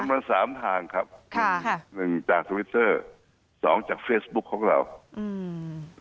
มาสามทางครับค่ะหนึ่งจากทวิตเตอร์สองจากเฟซบุ๊คของเราอืม